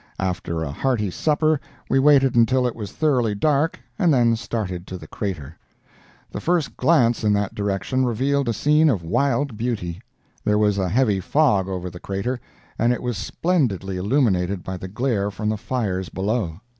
After a hearty supper we waited until it was thoroughly dark and then started to the crater. The first glance in that direction revealed a scene of wild beauty. There was a heavy fog over the crater and it was splendidly illuminated by the glare from the fires below.